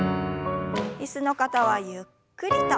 椅子の方はゆっくりと。